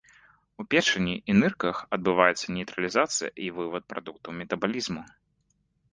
У печані і нырках адбываецца нейтралізацыя і вывад прадуктаў метабалізму.